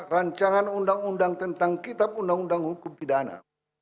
rancangan undang undang tentang kitab undang undang hukum pidana